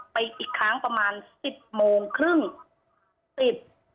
ไปอีกครั้งประมาณสิบโมงครึ่งปิด